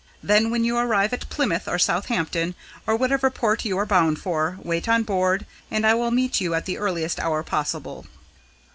Then when you arrive at Plymouth or Southampton or whatever port you are bound for, wait on board, and I will meet you at the earliest hour possible."